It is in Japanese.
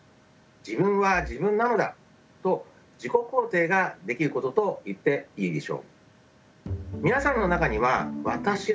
「自分は自分なのだ」と自己肯定ができることと言っていいでしょう。